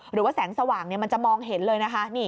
หรือว่าแสงสว่างมันจะมองเห็นเลยนะคะ